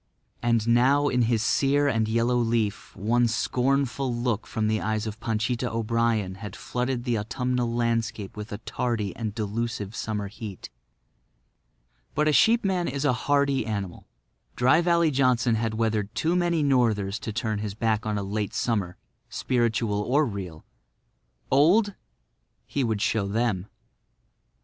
And now in his sere and yellow leaf one scornful look from the eyes of Panchita O'Brien had flooded the autumnal landscape with a tardy and delusive summer heat. But a sheepman is a hardy animal. Dry Valley Johnson had weathered too many northers to turn his back on a late summer, spiritual or real. Old? He would show them.